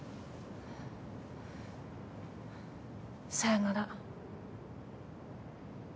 さようなら。